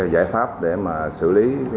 giải pháp để xử lý